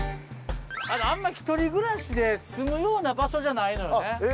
あんま１人暮らしで住むような場所じゃないのよね。